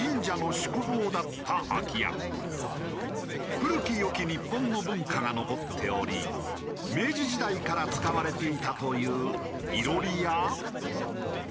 古き良き日本の文化が残っており明治時代から使われていたという囲炉裏や。